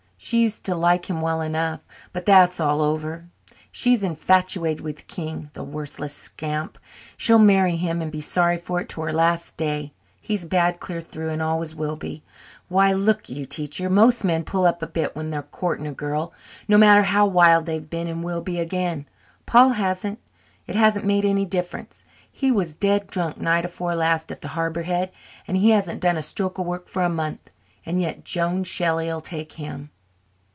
She used to like him well enough. But that's all over. She's infatuated with King, the worthless scamp. She'll marry him and be sorry for it to her last day. He's bad clear through and always will be. Why, look you, Teacher, most men pull up a bit when they're courting a girl, no matter how wild they've been and will be again. Paul hasn't. It hasn't made any difference. He was dead drunk night afore last at the Harbour head, and he hasn't done a stroke of work for a month. And yet Joan Shelley'll take him."